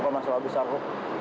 bukan masalah besar ko